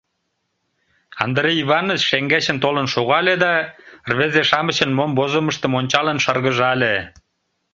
— Андрей Иваныч шеҥгечын толын шогале да, рвезе-шамычын мом возымыштым ончалын, шыргыжале.